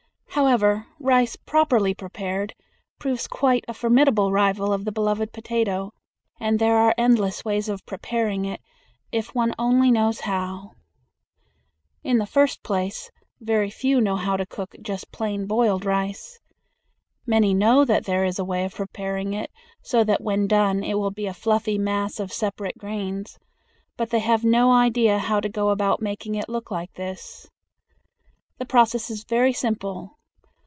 However, rice properly prepared proves quite a formidable rival of the beloved potato, and there are endless ways of preparing it if one only knows how. [Illustration: POUNDING RICE] In the first place, very few know how to cook just plain boiled rice. Many know that there is a way of preparing it so that when done it will be a fluffy mass of separate grains, but they have no idea how to go about making it look like this. The process is very simple.